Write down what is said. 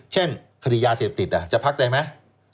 เช่นคดียาเสพติดจะพักได้ไหม